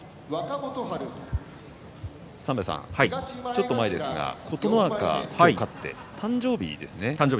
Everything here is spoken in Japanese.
ちょっと前ですが琴ノ若勝って今日、誕生日ですね。